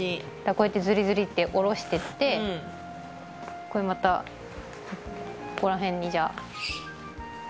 こうやってズリズリって下ろしていってこれまたここら辺にじゃあ。